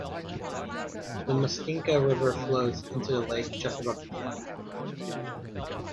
The Mustinka River flows into the lake just above the dam.